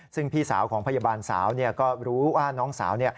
ซึ่งพี่สาวของพยาบาลสาวก็รู้ว่าน้องสาว